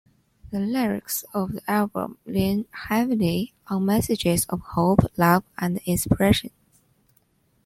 The lyrics of the album lean heavily on messages of hope, love, and inspiration.